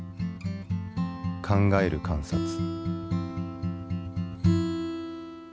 「考える観察」。